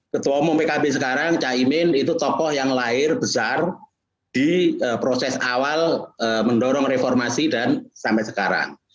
ketua umum pkb sekarang caimin itu tokoh yang lahir besar di proses awal mendorong reformasi dan sampai sekarang